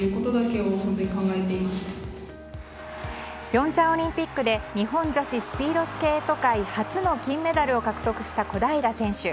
平昌オリンピックで日本女子スピードスケート界初の金メダルを獲得した小平選手。